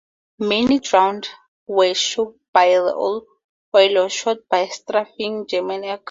Many drowned, were choked by the oil, or were shot by strafing German aircraft.